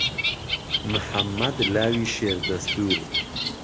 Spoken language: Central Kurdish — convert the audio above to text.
محەممەد لاوی شێر دهستور